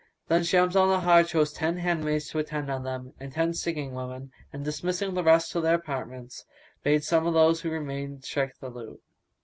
Then Shams al Nahar chose out ten handmaids to attend on them and ten singing women; and, dismissing the rest to their apartments, bade some of those who remained strike the lute.